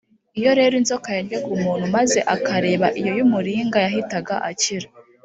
iyo rero inzoka yaryaga umuntu maze akareba iyo y’umuringa, yahitaga akira.